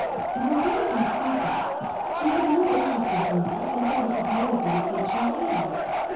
"You're very conceited. She had no interested views, and never supposed you would think she had."